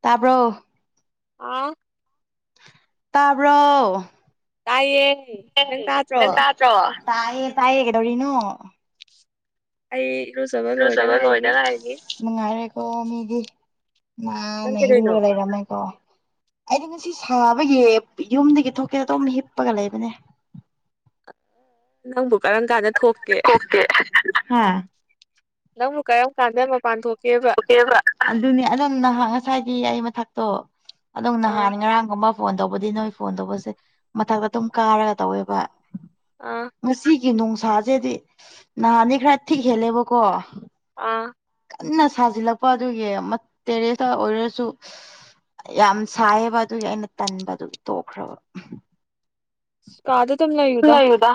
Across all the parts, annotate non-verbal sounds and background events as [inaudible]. ꯇꯥꯔꯕꯣ ꯑ ꯇꯥꯕꯔꯣ ꯇꯥꯏꯌꯦ ꯅꯪ ꯇꯥꯗ꯭ꯔꯣ ꯇꯥꯏꯌꯦ ꯇꯥꯏꯌꯦ ꯀꯩꯗꯧꯔꯤꯅꯣ ꯑꯩ ꯔꯨꯖꯕꯒ ꯍꯣꯏꯗ ꯏꯔꯨꯖꯕ ꯉ ꯂꯣꯏꯗ ꯍꯥꯏꯅꯤ ꯉꯥꯏꯔꯤ ꯅꯨꯡꯉꯥꯏꯔꯦꯀꯣ ꯃꯤꯗꯤ ꯅꯪ ꯥꯟꯟꯅ ꯀꯩꯗꯣꯏꯅꯣ ꯏꯔꯨꯔ ꯂꯩꯔꯝꯃꯦꯀꯣ ꯑꯩꯗꯤ ꯉꯁꯤ ꯁꯥꯕꯒꯤ ꯌꯨꯝꯗꯒꯤ ꯊꯣꯛꯀꯦꯗ ꯇꯣꯝꯅ ꯍꯤꯞꯄꯒ ꯂꯩꯕꯅꯦ ꯅꯪꯕꯨ ꯀꯔꯝ ꯀꯥꯟꯗ ꯊꯣꯛꯇ ꯈꯀꯦ ꯎꯝ ꯅꯕꯨ ꯀ ꯀꯥꯟꯗ ꯃꯥ ꯄꯥꯟꯊ ꯑꯗꯨꯅꯤ ꯑꯗꯨꯝ ꯅꯍꯥꯟ ꯉꯁꯥꯏꯒꯤ ꯑꯩ ꯃꯊꯛꯇꯣ ꯑꯗꯨꯝ ꯑꯥ ꯅꯍꯥꯟ ꯉꯔꯥꯡꯒꯨꯝꯕ ꯐꯣꯟ ꯇꯧꯕꯗꯤ ꯅꯣꯏ ꯐꯣꯟ ꯇꯧꯕꯁꯦ ꯃꯊꯛꯇ ꯑꯗꯨꯝ ꯀꯥꯔꯒ ꯇꯧꯋꯦꯕ ꯑꯥ ꯉꯁꯤꯒꯤ ꯅꯨꯡꯁꯥꯁꯦꯗꯤ ꯅꯍꯥꯟꯅꯤ ꯈꯔ ꯊꯤꯛ ꯍꯦꯜꯂꯦꯕꯀꯣ ꯑ ꯀꯟꯅ ꯁꯥꯖꯤꯜꯂꯛꯄ ꯑꯗꯨꯒꯤ ꯇꯦꯔꯦꯁꯇ ꯑꯣꯏꯔꯁꯨ ꯌꯥꯝ ꯁꯥꯏꯌꯦꯕ ꯑꯗꯨꯒꯤ ꯑꯩꯅ ꯇꯟꯕꯗꯨꯒꯤ ꯇꯣꯛꯈ꯭ꯔꯕ ꯀꯥꯗ ꯑꯗꯨꯝ ꯆ ꯂꯩꯌꯨꯗ ꯂꯩꯒꯗ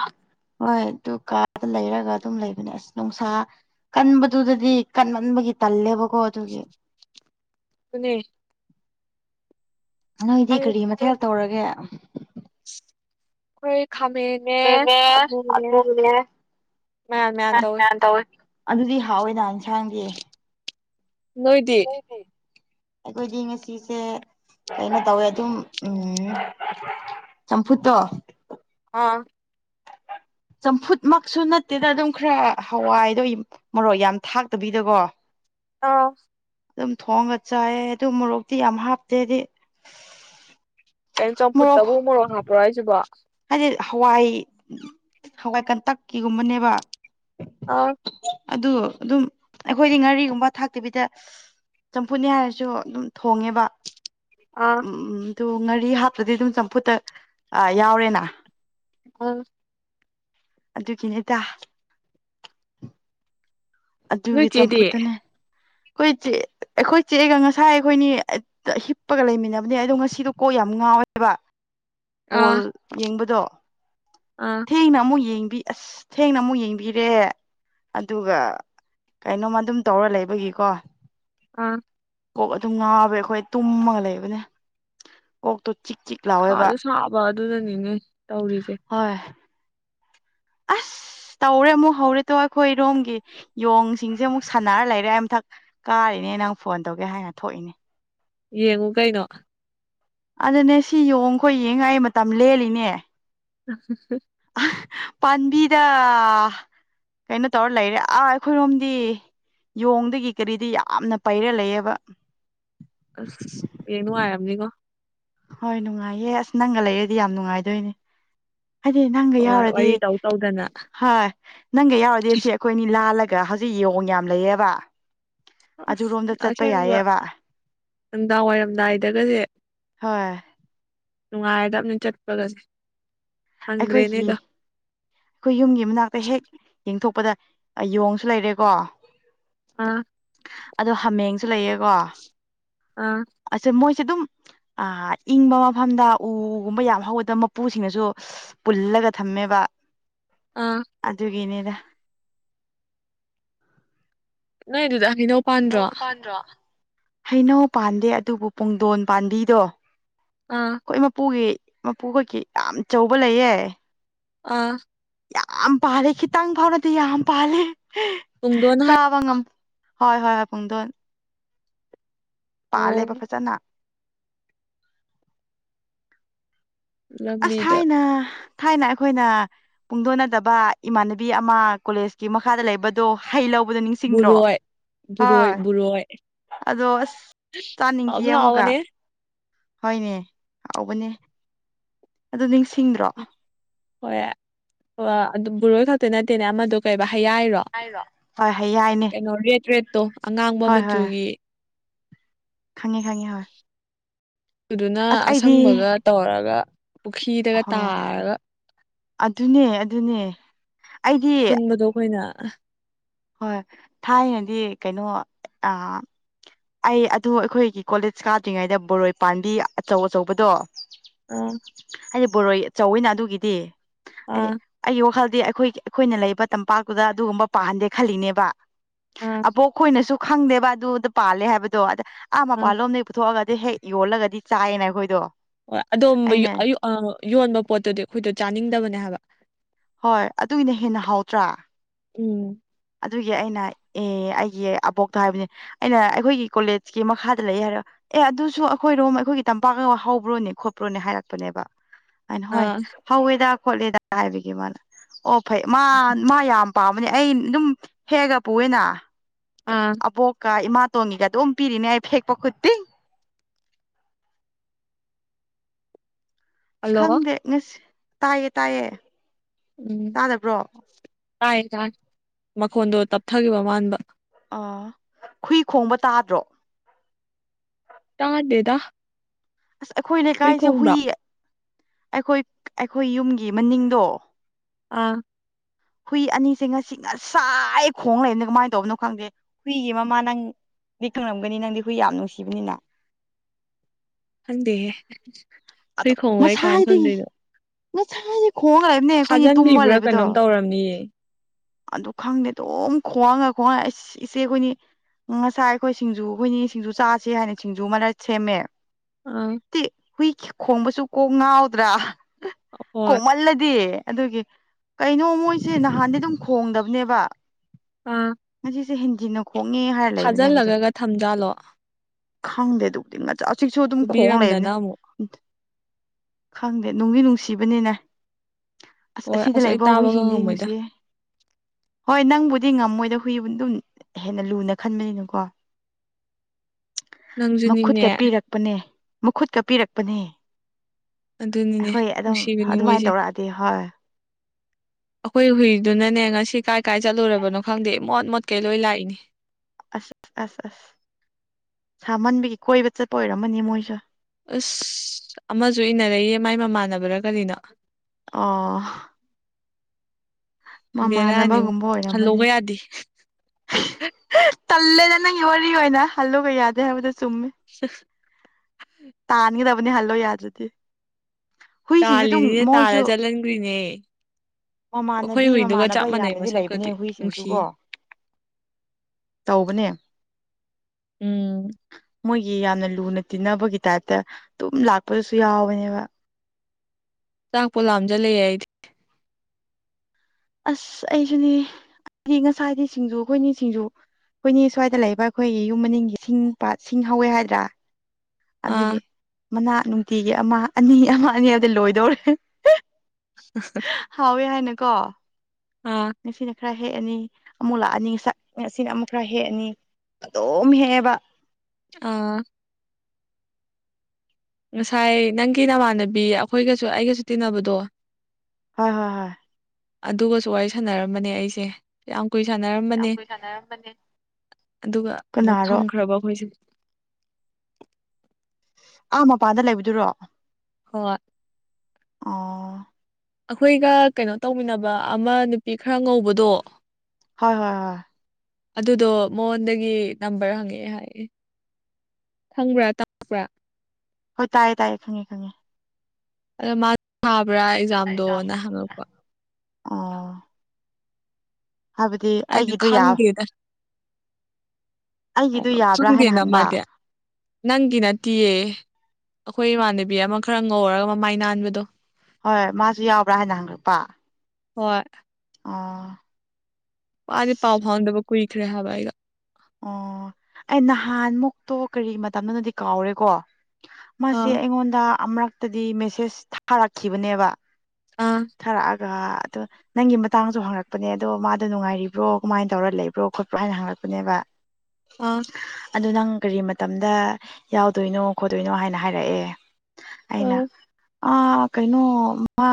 ꯍꯣꯏ ꯗꯨ ꯀꯥꯗ ꯂꯩꯔꯒ ꯑꯗꯨꯝ ꯂꯩꯕꯅꯦ ꯑꯁ ꯅꯨꯡꯁꯥ ꯀꯟꯕꯗꯨꯗꯗꯤ ꯀꯟꯃꯟꯕꯒꯤ ꯇꯜꯂꯦꯕꯀꯣ ꯑꯗꯨꯒꯤ ꯄꯨꯅꯦ ꯅꯣꯏꯗꯤ ꯅꯪ ꯀꯔꯤ ꯃꯊꯦꯜ ꯇꯧꯔꯒꯦ ꯑꯩꯈꯣꯏ ꯈꯥꯃꯦꯟꯅꯦ ꯅꯦ ꯑꯂꯨꯅꯦ ꯃꯌꯥꯟ ꯃꯌꯥꯟ ꯇꯧꯋꯦ ꯇꯧꯋ ꯑꯗꯨꯗꯤ ꯍꯥꯎꯋꯏꯗ ꯌꯦꯟꯁꯥꯡꯗꯤ ꯅꯣꯏꯗꯤ ꯑꯩꯈꯣꯏꯗꯤ ꯉꯁꯤꯁꯦ ꯑꯩꯅ ꯇꯧꯋꯦ ꯑꯗꯨꯝ ꯎꯝ ꯆꯝꯐꯨꯠꯇꯣ ꯑꯥ ꯆꯝꯐꯨꯠꯃꯛꯁꯨ ꯅꯠꯇꯦꯗ ꯑꯗꯨꯝ ꯈꯔ ꯍꯋꯥꯏꯗꯣ ꯃꯔꯣꯔꯣꯛ ꯌꯥꯝ ꯊꯥꯛꯇꯕꯤꯗꯒꯣ ꯑꯥ ꯑꯗꯨꯝ ꯊꯣꯡꯉ ꯆꯥꯏꯌꯦ ꯑꯗꯨ ꯃꯣꯔꯣꯛꯇꯤ ꯌꯥꯝ ꯍꯥꯞꯇꯦꯗꯤ ꯀꯩꯅꯣ ꯃꯣꯔꯣꯛ ꯆꯝꯐꯨꯠꯇꯕꯨꯃꯣ ꯍꯥꯞꯄ꯭ꯔꯣ ꯍꯥꯏꯁꯤꯕꯣ ꯍꯥꯏꯗꯤ ꯍꯋꯥꯏ ꯍꯋꯥꯏ ꯀꯟꯇꯛꯀꯤꯒꯨꯝꯕꯅꯦꯕ ꯑꯥ ꯑꯗꯨ ꯑꯗꯨꯝ ꯑꯩꯈꯣꯏꯗꯤ ꯉꯥꯔꯤꯒꯨꯝꯕ ꯊꯥꯛꯇꯕꯤꯗ ꯆꯝꯐꯨꯠꯅꯤ ꯍꯥꯏꯔꯁꯨ ꯑꯗꯨꯝ ꯊꯣꯡꯉꯦꯕ ꯑꯥ ꯎꯝ ꯑꯗꯨ ꯉꯥꯔꯤ ꯍꯥꯞꯄꯗꯤ ꯑꯗꯨꯝ ꯆꯝꯐꯨꯠꯇ ꯌꯥꯎꯔꯦꯅ ꯑꯣ ꯑꯗꯨꯒꯤꯅꯦꯗ ꯅꯣꯏ ꯑꯗꯨꯒꯤ ꯆꯦꯗꯤ ꯆꯝꯐꯨꯠꯇꯨꯅꯦ ꯑꯩꯈꯣꯏ ꯆꯦ ꯑꯩꯈꯣꯏ ꯆꯦꯑꯒ ꯉꯁꯥꯏ ꯑꯩꯈꯣꯏꯅꯤ ꯍꯤꯞꯄꯒ ꯂꯩꯃꯤꯟꯅꯕꯅꯦ ꯑꯗꯣ ꯉꯁꯤꯗꯣ ꯀꯣꯛ ꯌꯥꯝ ꯉꯥꯎꯋꯦ ꯕ ꯑꯥ ꯕꯣꯜ ꯌꯦꯡꯕꯗꯣ ꯑꯥ ꯊꯦꯡꯅ ꯑꯃꯨꯛ ꯌꯦꯡꯕꯤ ꯑꯁ ꯊꯦꯡꯅ ꯑꯃꯨꯛ ꯌꯦꯡꯕꯤꯔꯦ ꯑꯗꯨꯒ ꯀꯩꯅꯣꯃ ꯑꯗꯨꯝ ꯇꯧꯔ ꯂꯩꯕꯒꯤꯀꯣ ꯑꯥ ꯀꯣꯛ ꯑꯗꯨꯝ ꯉꯥꯎꯋꯦ ꯑꯩꯈꯣꯏ ꯇꯨꯝꯃꯒ ꯂꯩꯕꯅꯦ ꯀꯣꯛꯇꯣ ꯆꯤꯛ ꯆꯤꯛ ꯂꯥꯎꯋꯦꯕ ꯁꯥꯖꯨ ꯁꯥꯕ ꯑꯗꯨꯗꯅꯤꯅꯦ ꯇꯧꯔꯤꯖꯦ ꯍꯣꯏ ꯑꯁ ꯇꯧꯔꯦ ꯑꯃꯨꯛ ꯍꯧꯔꯦ ꯇꯣ ꯑꯩꯈꯣꯏ ꯏꯔꯣꯝꯒꯤ ꯌꯣꯡꯁꯤꯡꯁꯦ ꯑꯃꯨꯛ ꯁꯥꯟꯅꯔ ꯂꯩꯔꯦ ꯑꯩ ꯑꯃꯊꯛ ꯀꯥꯔꯤꯅꯦ ꯅꯪ ꯐꯣꯟ ꯇꯧꯒꯦ ꯍꯥꯏꯅ ꯊꯣꯛꯏꯅꯦ ꯌꯦꯡꯉꯨ ꯀꯩꯅꯣ ꯑꯗꯨꯅꯦ ꯁꯤ ꯌꯣꯡꯈꯣꯏ ꯌꯦꯡꯉꯥ ꯑꯩ ꯃꯇꯝ ꯂꯦꯜꯂꯤꯅꯦ [unintelligible] ꯄꯥꯟꯕꯤꯗ ꯀꯩꯅꯣ ꯇꯧꯔ ꯂꯩꯔꯦ ꯑꯥ ꯑꯩꯈꯣꯏꯔꯣꯝꯗꯤ ꯌꯣꯡꯗꯒꯤ ꯀꯔꯤꯗꯒꯤ ꯌꯥꯝꯅ ꯄꯩꯔ ꯂꯩꯌꯦꯕ ꯑꯁ ꯌꯦꯡ ꯅꯨꯡꯉꯥꯏꯔꯝꯅꯤꯀꯣ ꯍꯣꯏ ꯅꯨꯡꯉꯥꯏꯌꯦ ꯑꯁ ꯅꯪꯒ ꯂꯩꯔꯗꯤ ꯌꯥꯝ ꯅꯨꯡꯉꯥꯏꯗꯣꯏꯅꯦ ꯍꯥꯏꯗꯤ ꯅꯪꯒ ꯍꯣꯏ ꯌꯥꯎꯔꯗꯤ ꯋꯥꯔꯤ ꯇꯧ ꯇꯧꯗꯅ ꯍꯣꯏ ꯅꯪꯒ ꯌꯥꯎꯔꯗꯤ ꯁꯤ ꯑꯩꯈꯣꯏꯅꯤ ꯂꯥꯜꯂꯒ ꯍꯧꯖꯤꯛ ꯌꯣꯡ ꯌꯥꯝ ꯂꯩꯌꯦꯕ ꯑꯁ ꯑꯗꯨꯔꯣꯝꯗ ꯆꯠꯄ ꯑꯁꯦꯡꯕ ꯌꯥꯏꯑꯕ ꯅꯨꯡꯗꯥꯡ ꯋꯥꯏꯔꯝ ꯗꯥꯏꯗꯒꯥꯖꯦ ꯍꯣꯏ ꯅꯨꯡꯉꯥꯏꯔꯗꯧꯅꯤ ꯆꯠꯄꯒꯁꯦ ꯑꯩꯈꯣꯏꯒꯤ ꯍꯪꯗ꯭ꯔꯦꯅꯦꯗꯣ ꯑꯩꯈꯣꯏ ꯌꯨꯝꯒꯤ ꯃꯅꯥꯛꯇ ꯍꯦꯛ ꯌꯦꯡꯊꯣꯛꯄꯗ ꯌꯣꯡꯁꯨ ꯂꯩꯔꯦꯀꯣ ꯎꯝ ꯑꯗꯣ ꯍꯥꯃꯦꯡꯁꯨ ꯂꯩꯌꯦꯀꯣ ꯑꯥ ꯑꯁꯦ ꯃꯣꯏꯁꯦ ꯑꯗꯨꯝ ꯑꯥ ꯏꯪꯕ ꯃꯐꯝꯗ ꯎꯒꯨꯝꯕ ꯌꯥꯝ ꯍꯧꯕꯗ ꯃꯄꯨꯁꯤꯡꯅꯁꯨ ꯄꯨꯜꯂꯒ ꯊꯝꯃꯦꯕ ꯑꯥ ꯑꯗꯨꯒꯤꯅꯤꯗ ꯅꯣꯏ ꯑꯗꯨꯗ ꯍꯩꯅꯧ ꯍꯩꯅꯧ ꯄꯥꯟꯗ꯭ꯔꯣ ꯑꯃ ꯄꯥꯟꯗꯔꯣ ꯍꯩꯅꯧ ꯄꯥꯟꯗꯦ ꯑꯗꯨꯕꯨ ꯄꯨꯡꯗꯣꯟ ꯄꯥꯟꯕꯤꯗꯣ ꯑꯥ ꯑꯩꯈꯣꯏ ꯃꯄꯨꯒꯤ ꯃꯄꯨꯈꯩꯒꯤ ꯌꯥꯝ ꯆꯧꯕ ꯂꯩꯌꯦ ꯑꯥ ꯌꯥꯝ ꯄꯥꯜꯂꯦ ꯈꯤꯇꯥꯡ ꯐꯥꯎꯔꯗꯤ ꯌꯥꯝ ꯄꯥꯜꯂꯦ ꯄꯨꯡꯗꯣꯟ ꯍꯥꯏ ꯀꯥꯕ ꯉꯝ ꯍꯣꯏ ꯍꯣꯏ ꯍꯣꯏ ꯄꯨꯡꯗꯣꯟ ꯄꯥꯜꯂꯦꯕ ꯑꯣ ꯐꯖꯅ ꯑꯁ ꯂꯝꯕꯤꯗ ꯊꯥꯏꯅ ꯊꯥꯏꯅ ꯑꯩꯈꯣꯏꯅ ꯄꯨꯡꯗꯣꯟ ꯅꯠꯗꯕ ꯏꯃꯥꯟꯅꯕꯤ ꯑꯃ ꯀꯣꯂꯦꯖꯀꯤ ꯃꯈꯥꯗ ꯂꯩꯕꯗꯣ ꯍꯩ ꯂꯧꯕꯗꯣ ꯅꯤꯡ ꯕꯨꯔꯣꯏ ꯕꯨꯔꯣꯏ ꯕꯨꯔꯣꯏ ꯑꯗꯣ ꯑꯁ ꯆꯥꯅꯤꯡꯈꯤꯌꯦ ꯍꯥꯎꯁꯨ ꯑꯃꯨꯛꯀ ꯍꯥꯎꯕꯅꯦ ꯍꯣꯏꯅꯦ ꯍꯥꯎꯕꯅꯦ ꯑꯗꯨ ꯅꯤꯡꯁꯤꯡꯗ꯭ꯔꯣ ꯍꯣꯏ ꯑꯣ ꯑꯗꯨ ꯕꯣꯔꯣꯏ ꯈꯛꯇ ꯅꯠꯇꯦꯅꯦ ꯑꯃꯗꯣ ꯀꯩꯕꯥ ꯍꯥꯏꯌꯥꯏꯔꯣ ꯌꯥꯏꯔꯣ ꯍꯣꯏ ꯍꯩꯌꯥꯏꯅꯦ ꯔꯦꯠ ꯔꯦꯠ ꯇꯣ ꯑꯉꯥꯡꯕ ꯍꯣꯏ ꯍꯣꯏ ꯃꯆꯨꯒꯤ ꯈꯪꯉꯦ ꯈꯪꯉꯦ ꯍꯣꯏ ꯑꯗꯨꯅ ꯑꯁ ꯑꯩꯗꯤ ꯑꯁꯪꯕꯒ ꯇꯧꯔꯒ ꯄꯨꯈ꯭ꯔꯤꯗꯒ ꯍꯣꯏ ꯇꯥꯔꯒ ꯑꯗꯨꯅꯦ ꯑꯗꯨꯅꯦ ꯑꯩꯗꯤ ꯈꯨꯟꯕꯗꯣ ꯑꯩꯈꯣꯏꯅ ꯍꯣꯏ ꯊꯥꯏꯅꯗꯤ ꯀꯩꯅꯣ ꯑꯩ ꯑꯗꯨ ꯑꯩꯈꯣꯏꯒꯤ ꯀꯣꯂꯦꯖ ꯀꯥꯗ꯭ꯔꯤꯉꯩꯗ ꯕꯣꯔꯣꯏ ꯄꯥꯟꯕꯤ ꯑꯆꯧ ꯑꯆꯧꯕꯗꯣ ꯑ ꯍꯥꯏꯗꯤ ꯕꯣꯔꯣꯏ ꯑꯆꯧꯅ ꯑꯗꯨꯒꯤꯗꯤ ꯍꯥꯏꯗꯤ ꯑꯥ ꯑꯩ ꯋꯥꯈꯜꯗꯤ ꯑꯩꯈꯣꯏ ꯑꯩꯈꯣꯏꯅ ꯂꯩꯕ ꯇꯝꯄꯥꯛꯇꯨꯗ ꯑꯗꯨꯒꯨꯝꯕ ꯄꯥꯍꯟꯗꯦ ꯈꯜꯂꯤꯅꯦꯕ ꯑꯥ ꯑꯕꯣꯛ ꯑꯩꯈꯣꯏꯅꯁꯨ ꯈꯪꯗꯦꯕ ꯑꯗꯨꯗ ꯄꯥꯜꯂꯦ ꯍꯥꯏꯕꯗꯣ ꯑꯗꯥ ꯑꯥ ꯃꯄꯥꯜꯂꯣꯝꯗꯒꯤꯩ ꯄꯨꯊꯣꯛꯑꯒꯗꯤ ꯍꯦꯛ ꯌꯣꯜꯂꯒꯗꯤ ꯆꯥꯏꯌꯦꯅ ꯑꯩꯈꯣꯏꯗꯣ ꯑꯩꯅ ꯍꯣꯏ ꯑꯣ ꯌꯣꯟꯕ ꯄꯣꯠꯇꯨꯗꯤ ꯑꯩꯈꯣꯏꯗꯣ ꯆꯥꯅꯤꯡꯗꯕꯅꯦ ꯍꯥꯏꯕ ꯍꯣꯏ ꯑꯗꯨꯒꯤꯅ ꯍꯦꯟꯅ ꯍꯥꯎꯇ꯭ꯔꯥ ꯎꯝ ꯑꯗꯨꯒꯤ ꯑꯩꯅ ꯑꯦ ꯑꯩꯒꯤ ꯑꯕꯣꯛꯇ ꯍꯥꯏꯕꯅꯦ ꯑꯩꯅ ꯑꯩꯈꯣꯏꯒꯤ ꯀꯣꯂꯦꯖꯀꯤ ꯃꯈꯥꯗ ꯂꯩ ꯍꯥꯏꯔ ꯑꯦ ꯑꯗꯨꯁꯨ ꯑꯩꯈꯣꯏꯔꯣꯝ ꯑꯩꯈꯣꯏꯒꯤ ꯇꯝꯄꯥꯛꯀ ꯋꯥ ꯍꯧꯕ꯭ꯔꯣꯅꯦ ꯈꯣꯠꯄ꯭ꯔꯣꯅꯦ ꯍꯥꯏꯔꯛꯄꯅꯦꯕ ꯍꯥꯏꯅ ꯍꯣꯏ ꯑꯥ ꯍꯧꯋꯦꯗ ꯈꯣꯠꯂꯦꯗ ꯀꯥꯏꯕꯒꯤ ꯃꯥꯅ ꯑꯣ ꯐꯩ ꯃꯥ ꯃꯥ ꯌꯥꯝ ꯄꯥꯝꯕꯅꯦ ꯑꯩ ꯑꯗꯨꯝ ꯍꯦꯛꯒ ꯄꯨꯑꯦꯅ ꯑꯥ ꯑꯕꯣꯛꯀ ꯏꯃꯥꯇꯣꯟꯒꯤꯒ ꯑꯗꯨꯝ ꯄꯤꯔꯤꯅꯦ ꯑꯩ ꯐꯦꯛꯄ ꯈꯨꯠꯇꯤ ꯍꯜꯂꯣ ꯈꯪꯗꯦ ꯉꯁꯤ ꯇꯥꯏꯌꯦ ꯇꯥꯏꯌꯦ ꯎꯝ ꯇꯥꯗꯕ꯭ꯔꯣ ꯇꯥꯏꯌꯦ ꯇꯥꯏ ꯃꯈꯣꯟꯗꯣ ꯇꯞꯊꯈꯤꯕ ꯃꯥꯟꯕ ꯑꯣ ꯍꯨꯏ ꯈꯣꯡꯕ ꯇꯥꯗ꯭ꯔꯣ ꯇꯥꯗꯦꯗ ꯑꯁ ꯑꯩꯈꯣꯏ ꯂꯩꯀꯥꯏꯁꯦ ꯍꯨꯏ ꯑꯩꯈꯣꯏ ꯑꯩꯈꯣꯏ ꯌꯨꯝꯒꯤ ꯃꯅꯤꯡꯗꯣ ꯑꯝ ꯍꯨꯏ ꯑꯅꯤꯁꯦ ꯉꯁꯤ ꯉꯁꯥꯏ ꯈꯣꯡ ꯂꯩꯅ ꯀꯃꯥꯏꯅ ꯇꯧꯕꯅꯣ ꯈꯪꯗꯦ ꯍꯨꯏꯒꯤ ꯃꯃꯥ ꯅꯪꯗꯤ ꯈꯪꯂꯝꯒꯅꯤ ꯅꯪꯗꯤ ꯍꯨꯏ ꯌꯥꯝ ꯅꯨꯡꯁꯤꯕꯅꯤꯅ ꯈꯪꯗꯦꯍꯦ ꯍꯨꯏ ꯈꯣꯡꯉꯣ ꯑꯩ ꯀꯃꯥꯏ ꯈꯪꯗꯣꯏꯅꯣ ꯉꯁꯥꯁꯦ ꯈꯣꯡꯒ ꯂꯩꯕꯅꯦ ꯑꯩꯈꯣꯏꯅꯦ ꯇꯨꯝꯕ ꯐꯥꯖꯟꯕꯤꯕ꯭ꯔꯥ ꯂꯩꯕꯗꯣ ꯀꯩꯅꯣꯝ ꯇꯧꯔꯝꯅꯤꯌꯦ ꯑꯗꯨ ꯈꯪꯗꯦ ꯑꯗꯨꯝ ꯈ꯭ꯋꯥꯡꯉ ꯈ꯭ꯋꯥꯡꯉ ꯏꯆꯦꯈꯣꯏꯅꯤ ꯉꯁꯥꯏ ꯑꯩꯈꯣꯏ ꯁꯤꯡꯖꯨ ꯍꯈꯣꯏꯅꯤ ꯁꯤꯡꯖꯨ ꯆꯥꯥꯁꯦ ꯍꯥꯏꯅ ꯁꯤꯡꯖꯨ ꯃꯔꯅꯛ ꯁꯦꯝꯃꯦ ꯑꯝ ꯇꯤ ꯍꯨꯏ ꯈꯣꯡꯕꯁꯨ ꯀꯣꯛ ꯉꯥꯎꯗ꯭ꯔꯥ ꯍꯣꯏ ꯀꯣꯛꯃꯜꯂꯗꯤ ꯑꯗꯨꯒꯤ ꯀꯩꯅꯣ ꯃꯣꯏꯁꯦ ꯅꯍꯥꯟꯗꯤ ꯑꯗꯨꯝ ꯈꯣꯡꯗꯕꯅꯦꯕ ꯑ ꯉꯁꯤꯁꯦ ꯍꯦꯟꯖꯤꯟꯅ ꯈꯣꯡꯉꯦ ꯍꯥꯏꯔ ꯂꯩꯕꯅꯦꯕꯗꯣ ꯐꯥꯖꯤꯜꯂꯒꯒ ꯊꯝꯖꯥꯜꯂꯣ ꯈꯪꯗꯦ ꯑꯗꯨ ꯃꯆꯥ ꯑꯛꯁꯨ ꯑꯗꯨꯝ ꯈꯣꯡ ꯂꯩꯕꯅꯤ ꯐꯨꯕꯤꯔꯝꯗꯅ ꯑꯃꯨꯛ ꯈꯪꯗꯦ ꯅꯨꯡꯒꯤ ꯅꯨꯡꯁꯤꯕꯅꯤꯅꯦ ꯑꯁ ꯍꯣꯏ ꯑꯁꯤꯗ ꯑꯩ ꯂꯩꯕ ꯇꯥꯕꯒ ꯍꯨꯏꯁꯤꯡꯗꯤ ꯉꯝꯃꯣꯏꯗ ꯅꯨꯡꯁꯤꯌꯦ ꯍꯣꯏ ꯅꯪꯕꯨꯗꯤ ꯉꯝꯃꯣꯏꯗ ꯍꯨꯏ ꯑꯗꯨꯝ ꯍꯦꯟꯅ ꯂꯨꯅ ꯈꯟꯕꯅꯤꯅꯀꯣ [inaudible] ꯅꯪꯁꯨꯅꯤꯅꯦ ꯃꯈꯨꯠꯀ ꯄꯤꯔꯛꯄꯅꯦ ꯃꯈꯨꯠꯀ ꯄꯤꯔꯛꯄꯅꯦ ꯑꯗꯨꯅꯤꯅꯦ ꯑꯩꯈꯣꯏ ꯑꯗꯨꯝ ꯅꯨꯡꯁꯤꯕꯅꯤ ꯑꯗꯨꯃꯥꯏꯅ ꯃꯣꯏꯁꯦ ꯇꯧꯔꯛꯑꯗꯤ ꯍꯣꯏ [inaudible] ꯑꯩꯈꯣꯏ ꯍꯨꯏꯗꯨꯅꯅꯦ ꯉꯁꯤ ꯀꯥꯏ ꯀꯥꯏ ꯆꯠꯂꯨꯔꯕꯅꯣ ꯈꯪꯗꯦ ꯃꯣꯠ ꯃꯣꯠꯀꯩ ꯂꯣꯏ ꯂꯥꯛꯏꯅꯤ ꯑꯁ ꯑꯁ ꯑꯁ ꯑꯁ ꯁꯥꯃꯟꯕꯒꯤ ꯀꯣꯏꯕ ꯆꯠꯄ ꯑꯣꯏꯔꯝꯃꯅꯤ ꯃꯣꯏꯁꯨ ꯑꯁ ꯑꯃꯁꯨ ꯏꯟꯅꯔꯛꯌꯦ ꯃꯥꯏ ꯃꯃꯥꯟꯅꯕ꯭ꯔꯥ ꯀꯔꯤꯅꯣ ꯑꯣ ꯕꯦꯔꯅꯤ ꯃꯃꯥꯟꯅꯕꯒꯨꯝꯕ ꯍ ꯑꯣꯏꯔꯝꯃꯅꯤ ꯂꯧꯕ ꯌꯥꯗꯦ ꯇꯜꯂꯦꯗ ꯅꯪꯒꯤ ꯋꯥꯔꯤ ꯑꯣꯏꯅ ꯍꯜꯂꯨꯒ ꯌꯥꯗꯦ ꯍꯥꯏꯕꯗꯣ ꯆꯨꯝꯃꯦ ꯁꯤ ꯇꯅꯤꯗꯕꯅꯤ ꯍꯥꯜꯂꯣ ꯌꯥꯗꯗꯤ ꯇꯥꯜꯂꯤꯅꯤꯅꯦ ꯇꯥꯜꯂ ꯆꯠꯍꯟꯈ꯭ꯔꯤꯅꯦ ꯑꯩꯈꯣꯏ ꯃꯃꯥꯟꯅꯕꯤ ꯍꯨꯏꯗꯨꯒ ꯃꯃꯥꯟꯅꯕ ꯆꯞ ꯃꯥꯟꯅꯩ ꯌꯥꯝꯅꯗꯤ ꯂꯩꯕꯅꯦ ꯃꯁꯛꯀꯗꯤ ꯅꯨꯡꯁꯤ ꯍꯨꯏꯁꯤꯡꯗꯨꯀꯣ ꯇꯧꯕꯅꯦ ꯎꯝ ꯃꯣꯏꯒꯤ ꯌꯥꯝꯅ ꯂꯨꯅ ꯇꯤꯟꯅꯕꯒꯤ ꯇꯥꯏꯞꯇ ꯑꯗꯨꯝ ꯂꯥꯛꯄꯗꯨꯁꯨ ꯌꯥꯎꯕꯅꯦꯕ ꯆꯥꯛꯄꯣ ꯂꯥꯝꯖ ꯂꯩ ꯍꯥꯏꯗꯤ ꯑꯁ ꯑꯩꯁꯨꯅꯤ ꯑꯩꯗꯤ ꯉꯁꯥꯏꯗꯤ ꯁꯤꯡꯖꯨ ꯑꯩꯈꯣꯏꯅꯤ ꯁꯤꯡꯖꯨ ꯍꯈꯣꯏꯅꯤ ꯁ꯭ꯋꯥꯏꯗ ꯂꯩꯕ ꯑꯩꯈꯣꯏꯒꯤ ꯌꯨꯝ ꯃꯅꯤꯡꯒꯤ ꯁꯤꯡ ꯄꯥꯠ ꯁꯤꯡ ꯍꯧꯋꯦ ꯍꯥꯏꯗ꯭ꯔꯥ ꯑꯥ ꯑꯗꯨꯒꯤ ꯃꯅꯥ ꯅꯨꯡꯇꯤꯒꯤ ꯑꯃ ꯑꯅꯤ ꯑꯃ ꯑꯅꯤ ꯑꯗꯨ ꯂꯣꯏꯗꯧꯔꯦ ꯑ ꯍꯥꯎꯋꯦ ꯍꯥꯏꯅꯀꯣ ꯑ ꯉꯁꯤꯅ ꯈꯔ ꯍꯦꯛꯑꯅꯤ ꯑꯃꯨꯛ ꯂꯥꯛꯑꯅꯤ ꯉ ꯉꯁꯤꯅ ꯑꯃꯨꯛ ꯈꯔ ꯍꯦꯛꯑꯅꯤ ꯑꯗꯣꯝꯍꯦꯕ ꯑꯥ ꯉꯁꯥꯏ ꯅꯪꯒꯤ ꯅꯃꯥꯟꯅꯕꯤ ꯑꯩꯈꯣꯏꯒꯁꯨ ꯑꯩꯒꯁꯨ ꯇꯤꯟꯅꯕꯗꯣ ꯍꯣꯏ ꯍꯣꯏ ꯍꯣꯏ ꯑꯗꯨꯒꯁꯨ ꯋꯥꯔꯤ ꯁꯥꯟꯅꯔꯝꯕꯅꯦ ꯑꯩꯁꯦ ꯌꯥꯝ ꯀꯨꯏ ꯌꯥꯝ ꯁꯥꯟꯅꯔꯝꯕꯅꯦ ꯀꯨꯏ ꯁꯥꯟꯅꯔꯝꯕꯅꯦ ꯑꯗꯨꯒ ꯑꯃꯨꯛ ꯀꯅꯥꯔꯣ ꯊꯝꯈ꯭ꯔꯕ ꯑꯩꯈꯣꯏꯁ ꯑꯥ ꯃꯄꯥꯟꯗ ꯂꯩꯕꯗꯨꯔꯣ ꯍꯣꯏ ꯑꯣ ꯑꯩꯈꯣꯏꯒ ꯀꯩꯅꯣ ꯇꯧꯃꯤꯟꯅꯕ ꯑꯃ ꯅꯨꯄꯤ ꯈꯔ ꯉꯧꯕꯗꯣ ꯍꯣꯏ ꯍꯣꯏ ꯍꯣꯏ ꯑꯗꯨꯗꯣ ꯃꯉꯣꯟꯗꯒꯤ ꯅꯝꯕꯔ ꯍꯪꯉꯛꯑꯦ ꯍꯥꯏ ꯈꯪꯕ꯭ꯔꯥ ꯇꯥꯕ꯭ꯔꯥ ꯍꯣꯏ ꯇꯥꯏꯌꯦ ꯇꯥꯏꯌꯦ ꯈꯪꯉꯦ ꯈꯪꯉꯦ ꯑꯗꯣ ꯃꯥ ꯊꯥꯕ꯭ꯔꯥ ꯑꯦꯛꯖꯥꯝꯗꯣꯅ ꯍꯪꯉꯛꯄ ꯑꯥ ꯍꯥꯏꯕꯗꯤ ꯑꯩꯅ ꯑꯩꯒꯤꯗꯣ ꯌꯥꯋ ꯑꯩꯒꯤꯗꯣ ꯌꯥꯕ꯭ꯔꯥ ꯍꯥꯏꯅ ꯆꯨꯝꯗꯦꯅ ꯍꯪꯕ ꯃꯥꯗꯤꯦ ꯅꯪꯒꯤ ꯅꯠꯇꯤꯌꯦ ꯑꯩꯈꯣꯏ ꯏꯃꯥꯟꯅꯕꯤ ꯑꯃ ꯈꯔ ꯉꯧꯔꯒ ꯃꯃꯥꯏ ꯅꯥꯟꯕꯗꯣ ꯍꯣꯏ ꯃꯥꯁꯨ ꯌꯥꯎꯕ꯭ꯔꯥ ꯍꯥꯏꯅ ꯍꯪꯉꯛꯄ ꯍ ꯑꯥ ꯋꯥꯗꯤ ꯄꯥꯎ ꯐꯥꯎꯗꯕ ꯀꯨꯏꯈ꯭ꯔꯦ ꯍꯥꯏꯕ ꯑꯩꯗꯣ ꯑꯣ ꯑꯩ ꯅꯍꯥꯟꯃꯨꯛꯇꯣ ꯀꯔꯤ ꯃꯇꯝꯗꯨꯅꯗꯤ ꯀꯥꯎꯔꯦꯀꯣ ꯃꯥꯁꯦ ꯑꯥ ꯑꯩꯉꯣꯟꯗ ꯑꯃꯨꯔꯛꯇꯗꯤ ꯃꯦꯁꯦꯁ ꯊꯥꯔꯛꯈꯤꯕꯅꯦꯕ ꯑꯥ ꯊꯥꯔꯛꯑꯒ ꯑ ꯅꯪꯒꯤ ꯃꯇꯥꯡꯁꯨ ꯍꯪꯂꯛꯄꯅꯦ ꯑꯗꯣ ꯃꯥꯗꯣ ꯅꯨꯡꯉꯥꯏꯔꯤꯕ꯭ꯔꯣ ꯀꯃꯥꯏꯅ ꯇꯧꯔꯒ ꯂꯩꯕ꯭ꯔꯣ ꯈꯣꯠꯄ꯭ꯔꯣ ꯍꯥꯏꯅ ꯍꯪꯪꯂꯛꯄꯅꯦꯕ ꯎ ꯑꯗꯨ ꯅꯪ ꯀꯔꯤ ꯃꯇꯝꯗ ꯌꯥꯎꯗꯣꯏꯅꯣ ꯈꯣꯠꯇꯣꯏꯅꯣ ꯍꯥꯏꯅ ꯍꯥꯏꯔꯛꯑꯦ ꯑꯅ ꯑꯥ ꯑ ꯀꯩꯅꯣ ꯃꯥ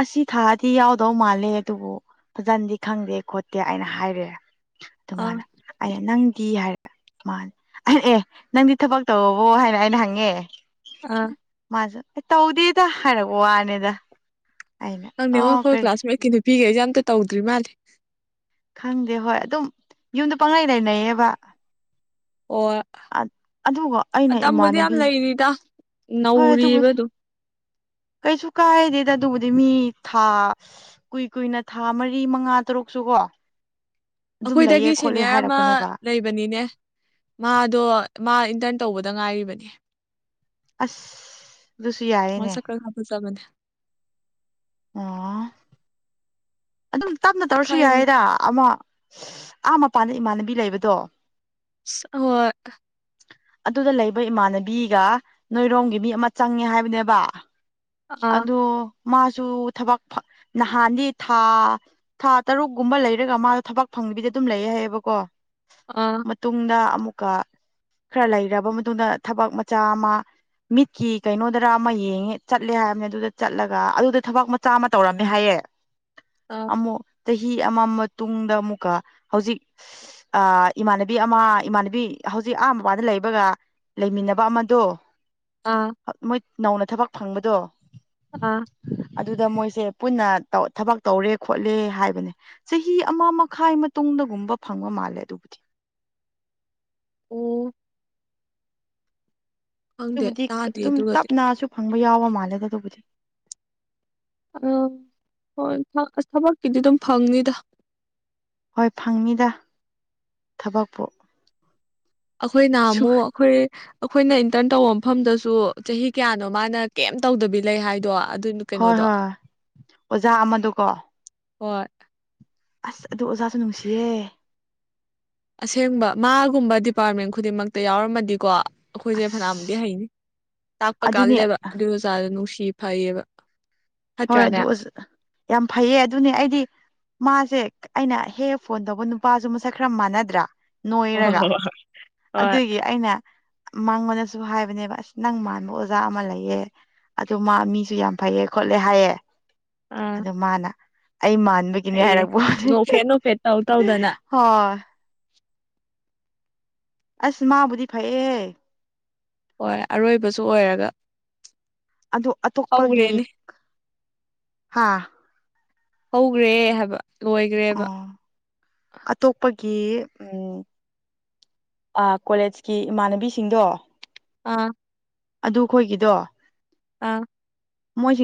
ꯑꯁꯤ ꯊꯥꯗꯤ ꯌꯥꯎꯗꯧ ꯃꯥꯜꯂꯦ ꯑꯗꯨꯕꯨ ꯐꯖꯅꯗꯤ ꯈꯪꯗꯦ ꯈꯣꯠꯇꯦ ꯑꯅ ꯍꯥꯏꯔꯦ ꯑꯗꯨ ꯑꯥ ꯃꯥꯅ ꯑꯩ ꯅꯪꯗꯤ ꯍꯥꯏꯔ ꯃꯥꯅꯦ ꯑꯦ ꯅꯪꯗꯤ ꯊꯕꯛ ꯇꯧꯕꯣ ꯍꯥꯏꯅ ꯑꯩꯅ ꯍꯪꯉꯦ ꯑꯥ ꯃꯥꯁꯨ ꯑꯦ ꯇꯧꯗꯦꯗ ꯍꯥꯏꯔꯛꯄ ꯋꯥꯅꯤꯗ ꯑꯩꯅ ꯑꯣ ꯅꯪꯅꯦꯉꯣꯈꯣꯏ ꯀꯩ ꯀ꯭ꯂꯥꯁꯃꯦꯠꯀꯤ ꯅꯨꯄꯤꯒꯤꯒ ꯑꯦꯖꯥ ꯑꯝꯇ ꯇꯧꯗ꯭ꯔꯤ ꯃꯥꯜꯜꯂꯤ ꯈꯪꯗꯦ ꯍꯣꯏ ꯑꯗꯨꯝ ꯌꯨꯝꯗ ꯄꯪꯉꯥꯏ ꯂꯩꯅꯩꯌꯦꯕ ꯑꯣ ꯑꯗꯨꯒ ꯑꯩꯅ ꯏꯃꯥꯟꯅꯕꯤ ꯁꯤꯗ ꯍꯣꯏ ꯑꯗꯨꯕꯨꯗꯤ ꯀꯩꯁꯨ ꯀꯥꯏꯗꯦꯗ ꯑꯗꯨꯕꯨꯗꯤ ꯃꯤ ꯊꯥ ꯀꯨꯏ ꯀꯨꯏꯅ ꯊꯥ ꯃꯔꯤ ꯃꯉꯥ ꯇꯔꯨꯛꯁꯨ ꯀꯣ ꯑꯗꯨꯝ ꯂꯩꯌꯦ ꯑꯩꯈꯣꯏꯗꯒꯤ ꯈꯣꯠꯂꯦ ꯁꯦꯅꯤꯌꯥꯔ ꯑꯃ ꯍꯥꯏꯔꯛꯄꯅꯦꯕ ꯂꯩꯕꯅꯤꯅꯦ ꯃꯥꯗꯣ ꯃꯥ ꯏꯟꯇꯔꯟ ꯇꯧꯕꯗ ꯉꯥꯏꯔꯤꯕꯅꯤ ꯑꯁ ꯨꯁꯤ ꯌꯥꯏ ꯃ ꯁ ꯀ ꯍꯥꯄ ꯆ ꯃ ꯑꯥ ꯑꯗꯨꯝ ꯇꯞꯅ ꯇꯧꯔꯁꯨ ꯈꯔ ꯌꯥꯏꯌꯦꯗ ꯑꯃ ꯑꯥ ꯃꯄꯥꯟꯗ ꯏꯃꯥꯟꯅꯕꯤ ꯂꯩꯕꯗꯣ ꯑꯣ ꯑꯗꯨꯗ ꯂꯩꯕ ꯏꯃꯥꯟꯅꯕꯤꯒ ꯅꯣꯏꯔꯣꯝꯒꯤ ꯃꯤ ꯑꯃ ꯆꯪꯉꯦ ꯍꯥꯏꯕꯅꯦꯕ ꯑꯥ ꯑꯗꯣ ꯃꯥꯁꯨ ꯊꯕꯛ ꯅꯍꯥꯟꯗꯤ ꯊꯥ ꯊꯥ ꯇꯔꯨꯛꯀꯨꯝꯕ ꯂꯩꯔꯒ ꯃꯥꯗꯣ ꯊꯕꯛ ꯐꯪꯕꯤꯗ ꯑꯗꯨꯝ ꯂꯩꯌꯦ ꯍꯥꯏꯌꯦꯕꯀꯣ ꯑ ꯃꯇꯨꯡꯗ ꯑꯃꯨꯛꯀ ꯈꯔ ꯂꯩꯔꯕ ꯃꯇꯨꯡꯗ ꯊꯕꯛ ꯃꯆꯥ ꯑꯃ ꯃꯤꯠꯀꯤ ꯀꯩꯅꯣꯗꯔꯥ ꯑꯃ ꯌꯦꯡꯉꯦ ꯆꯠꯂꯦ ꯍꯥꯏꯔꯅꯦ ꯑꯗꯨꯗ ꯆꯠꯂꯒ ꯑꯗꯨꯗ ꯊꯕꯛ ꯃꯆꯥ ꯑꯃ ꯇꯧꯔꯝꯃꯦ ꯍꯥꯏꯌꯦꯦ ꯑꯥ ꯑꯃꯨꯛ ꯆꯍꯤ ꯑꯃ ꯃꯇꯨꯡꯗ ꯑꯃꯨꯛꯀ ꯍꯧꯖꯤꯛ ꯑ ꯏꯃꯥꯟꯅꯕꯤ ꯑꯃ ꯏꯃꯥꯟꯅꯕꯤ ꯍꯧꯖꯤꯛ ꯑꯍꯝꯕ ꯋꯥꯗ ꯂꯩꯕꯒ ꯂꯩꯃꯤꯟꯅꯕ ꯑꯃꯗꯣ ꯑꯥ ꯃꯣꯏ ꯅꯧꯅ ꯊꯕꯛ ꯐꯪꯕꯗꯣ ꯑ ꯑꯗꯨꯗ ꯃꯣꯏꯁꯦ ꯄꯨꯟꯅ ꯊꯕꯛ ꯇꯧꯔꯦ ꯈꯣꯠꯂꯦ ꯍꯥꯏꯕꯅꯦ ꯆꯍꯤ ꯑꯃ ꯃꯈꯥꯏ ꯃꯇꯨꯡꯗꯒꯨꯝꯕ ꯐꯪꯕ ꯃꯥꯜꯂꯦ ꯑꯗꯨꯕꯨꯗꯤ ꯑꯣ ꯈꯪꯗꯦ ꯑꯗꯨꯕꯨꯗꯤ ꯇꯥꯗꯦ ꯑꯗꯨꯝ ꯑꯗꯨꯒꯗꯤ ꯇꯞꯅꯁꯨ ꯐꯪꯕ ꯌꯥꯎꯕ ꯃꯥꯜꯂꯦꯗ ꯑꯗꯨꯕꯨꯗꯤ ꯑꯥ ꯍꯣꯏ ꯑꯁ ꯊꯕꯛꯀꯤꯗꯤ ꯑꯗꯨꯝ ꯐꯪꯅꯤꯗ ꯍꯣꯏ ꯐꯪꯅꯤꯗ ꯊꯕꯛꯄꯨ ꯁꯨ ꯑꯩꯈꯣꯏꯅꯍꯃꯨꯛ ꯑꯩꯈꯣꯏ ꯑꯩꯈꯣꯏꯅ ꯏꯟꯇꯔꯟ ꯇꯧꯕ ꯃꯐꯝꯗꯁꯨ ꯆꯍꯤ ꯀꯌꯥꯅꯣ ꯃꯥꯅ ꯀꯩꯝ ꯇꯧꯗꯕꯤ ꯂꯩ ꯍꯥꯏꯗꯣ ꯑꯗꯨ ꯍꯣꯏ ꯀꯩꯅꯣꯗꯣ ꯍꯣꯏ ꯑꯣꯖꯥ ꯑꯃꯗꯣꯀꯣ ꯍꯣꯏ ꯑꯁ ꯑꯗꯨ ꯑꯣꯖꯥꯁꯨ ꯅꯨꯡꯁꯤꯌꯦ ꯑꯁꯦꯡꯕ ꯃꯥꯒꯨꯝꯕ ꯗꯤꯄꯥꯔꯠꯃꯦꯟ ꯈꯨꯗꯤꯡꯃꯛꯇ ꯌꯥꯎꯔꯝꯃꯗꯤꯀꯣ ꯑꯩꯈꯣꯏꯁꯦ ꯐꯅꯃꯗꯤ ꯑꯁ ꯍꯩꯅꯤ ꯇꯥꯛꯄ ꯑꯗꯨꯅꯦ ꯀꯥꯂꯦꯕ ꯑꯗꯨ ꯑꯣꯖꯥꯗ ꯅꯨꯡꯁꯤ ꯐꯩꯌꯦꯕ ꯍꯣꯏ ꯐꯠꯇ꯭ꯔꯥꯅꯦ ꯑꯗꯨ ꯌꯥꯝ ꯐꯩꯌꯦ ꯑꯗꯨꯅꯤ ꯑꯩꯗꯤ ꯃꯥꯁꯦ ꯑꯩꯅ ꯍꯦꯛ ꯍꯦꯛ ꯐꯣꯟ ꯇꯧꯕ ꯅꯨꯄꯥꯁꯨ ꯃꯁꯛ ꯈꯔ ꯃꯥꯟꯅꯗ꯭ꯔꯥ ꯍꯣꯏ ꯍꯣꯏ ꯅꯣꯏꯔꯒ ꯍꯣꯏ ꯍꯣꯏ ꯑꯗꯨꯒꯤ ꯑꯩꯅ ꯃꯥꯡꯕꯅꯁꯨ ꯍꯥꯏꯕꯅꯦꯕ ꯑꯁ ꯅꯪ ꯃꯥꯟꯕ ꯑꯣꯖꯥ ꯑꯃ ꯂꯩꯌꯦ ꯑꯗꯨ ꯃꯤꯁꯨ ꯌꯥꯝ ꯐꯩꯌꯦ ꯈꯣꯠꯂꯦ ꯍꯥꯏꯌꯦ ꯑꯥ ꯑ ꯃꯥꯅ ꯑꯩ ꯃꯥꯟꯕꯒꯤ ꯀꯅꯦ ꯐꯩꯌꯦ ꯍꯥꯏꯦꯔꯛꯄ ꯅꯣꯛꯐꯦꯠ ꯅꯣꯛꯐꯦꯠ ꯇꯧ ꯇꯧꯗꯅ ꯍ ꯑꯁ ꯃꯥꯕꯨꯗꯤ ꯐꯩꯌꯦ ꯍꯣꯏ ꯑꯔꯣꯏꯕꯁꯨ ꯑꯣꯏꯔꯒ ꯑꯣ ꯑꯇꯣꯞꯄꯒꯤ ꯍꯧꯈ꯭ꯔꯦꯅꯦ ꯍꯥ ꯍꯧꯈ꯭ꯔꯦ ꯍꯥꯏꯕ ꯂꯣꯏꯈ꯭ꯔꯦꯕ ꯑꯣ ꯑꯇꯣꯞꯄꯒꯤ ꯎꯝ ꯀꯣꯂꯦꯖꯀꯤ ꯏꯃꯥꯟꯅꯕꯤꯁꯤꯡꯗꯣ ꯑꯥ ꯑꯗꯨ ꯑꯩꯈꯣꯏꯒꯤꯗꯣ ꯑꯥ ꯃꯣꯏꯁꯨ